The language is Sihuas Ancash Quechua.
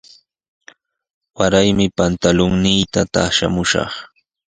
Waraymi pantulunniita taqshamushaq.